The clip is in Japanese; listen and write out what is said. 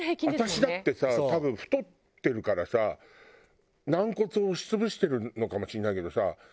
私だってさ多分太ってるからさ軟骨を押し潰してるのかもしれないけどさ。